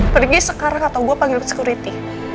pergi sekarang atau gue panggil security